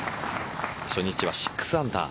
初日は６アンダー。